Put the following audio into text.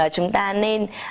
chúng ta nên